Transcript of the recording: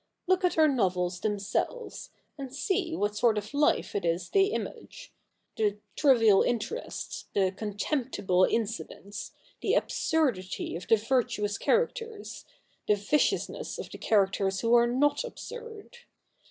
Look at our novels them selves, and see what sort of life it is they image — the trivial interests, the contemptible incidents, the absurdity of the virtuous characters, the viciousness of the characters who are not absurd.